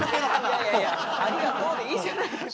いやいやいや「ありがとう」でいいじゃないですか。